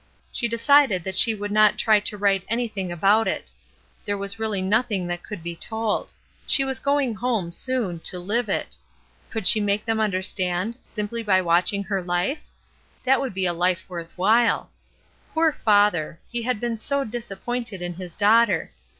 She decided that she would not try to write anything about If there was really nothing that could be told she was going home, soon, to live it. Could she inake them understand, simply by watching her hfej That would be a life worth while. Poor father! he had been so disappointed in his daughter.